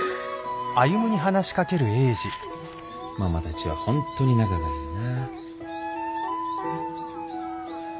ママたちは本当に仲がいいな。